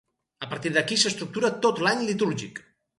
A partir d'aquí s'estructura tot l'any litúrgic.